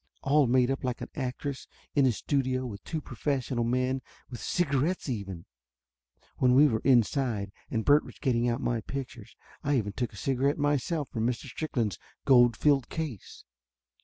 All made up like an actress, in a studio, with two profes sional men ; with cigarettes, even ! When we were in side, and Bert was getting out my pictures, I even took a cigarette myself, from Mr. Strickland's gold filled case.